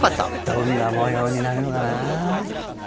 どんな模様になるのかな？